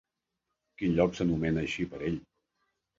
Quin lloc s'anomena així per ell?